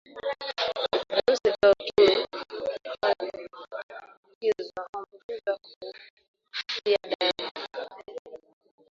virusi vya ukimwi huambukizwa kupitia damu